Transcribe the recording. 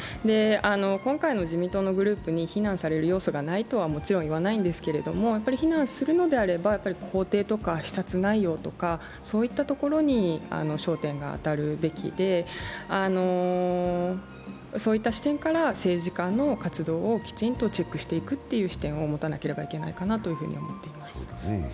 今回の自民党のグループに非難される要素がないとは言わないんですけれども非難するのであれば行程とか視察内容とかそういったところに焦点が当たるべきで、そういった視点から政治家の活動をきちんとチェックしていくという視点を持たなければいけないかなというふうに思っています。